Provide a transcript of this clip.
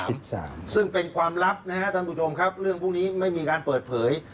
ซึ่งเป็นความลับนะฮะท่านผู้ชมครับเรื่องพวกนี้ไม่มีการเปิดเผย